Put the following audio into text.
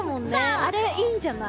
あれ、いいんじゃない？